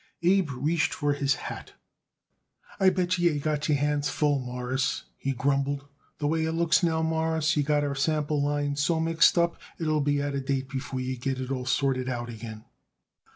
Abe reached for his hat. "I bet yer you got your hands full, Mawruss," he grumbled. "The way it looks, now, Mawruss, you got our sample lines so mixed up it'll be out of date before you get it sorted out again."